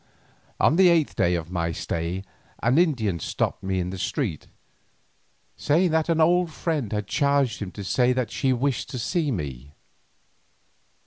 On the eighth day of my stay an Indian stopped me in the street, saying that an old friend had charged him to say that she wished to see me.